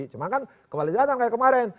cuma kan kembali ke jalanan kayak kemarin